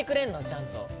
ちゃんと。